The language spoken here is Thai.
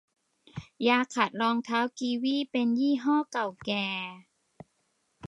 ยาขัดรองเท้ากีวีเป็นยี่ห้อเก่าแก่